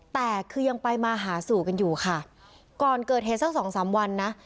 แต่คือยังไปมาหาสู่กันอยู่ค่ะก่อนเกิดเหตุสักสองสามวันนะ